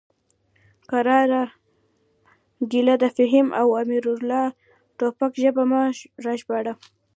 قراره ګله د فهیم او امرالله د ټوپک ژبه مه راژباړه.